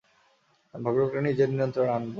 আমি ভাগ্যেকে নিজের নিয়ন্ত্রণে আনবো।